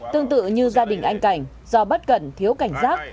tương tự như gia đình anh cảnh do bất cẩn thiếu cảnh giác